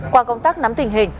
qua công tác nắm tình hình